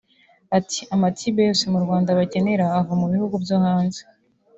Ati“ Amatibe yose mu Rwanda bakenera ava mu bihugu byo hanze